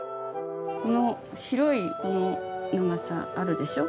この白いのがさ、あるでしょ。